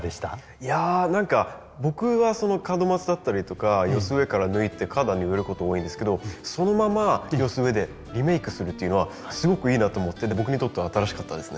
いや何か僕は門松だったりとか寄せ植えから抜いて花壇に植えること多いんですけどそのまま寄せ植えでリメイクするっていうのはすごくいいなと思って僕にとっては新しかったですね。